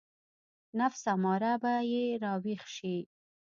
نفس اماره به يې راويښ شي.